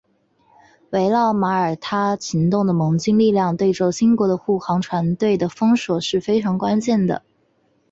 围绕马耳他行动的盟军力量对轴心国的护航船队的封锁是非常关键的。